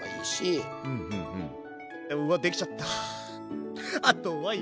うわできちゃった！